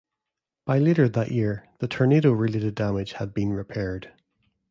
By later that year, the tornado related damage had been repaired.